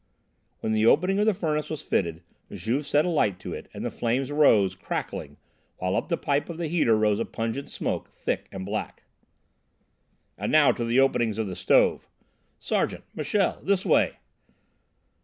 When the opening of the furnace was fitted, Juve set a light to it and the flames rose, crackling, while up the pipe of the heater rose a pungent smoke, thick and black. "And now to the openings of the stove! Sergeant! Michel! This way!"